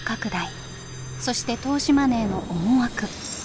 そして投資マネーの思惑。